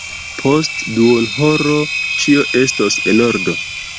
Post duonhoro ĉio estos en ordo.